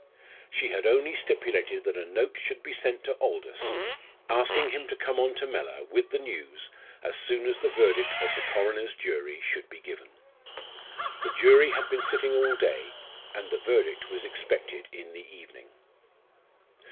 She had only stipulated that a note should be sent to Aldous, asking him to come on to Mellor with the news as soon as the verdict of the coroner's jury should be given. The jury had been sitting all day, and the verdict was expected in the evening.